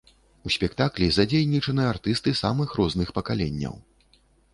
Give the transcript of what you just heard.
У спектаклі задзейнічаны артысты самых розных пакаленняў.